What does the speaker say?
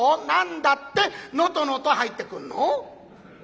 何だって能登能登入ってくんの？